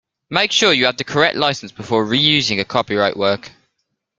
Make sure you have the correct licence before reusing a copyright work